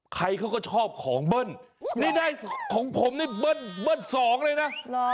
ใครเขาก็ชอบของเบิ้ลนี่ได้ของผมนี่เบิ้ลสองเลยนะ